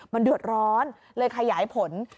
มันเดือดร้อนเลยขยายผล